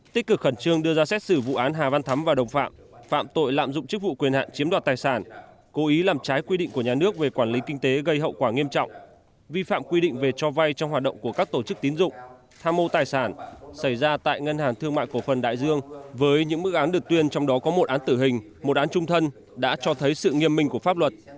tích cực khẩn trương đưa ra xét xử vụ án hà văn thắm và đồng phạm phạm tội lạm dụng chức vụ quyền hạn chiếm đoạt tài sản cố ý làm trái quy định của nhà nước về quản lý kinh tế gây hậu quả nghiêm trọng vi phạm quy định về cho vay trong hoạt động của các tổ chức tín dụng tham mô tài sản xảy ra tại ngân hàng thương mại cổ phần đại dương với những mức án được tuyên trong đó có một án tử hình một án trung thân đã cho thấy sự nghiêm minh của pháp luật